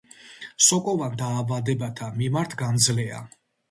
სოკოვან დაავადებათა მიმართ გამძლეა.